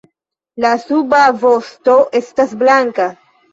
La suba vosto estas blanka.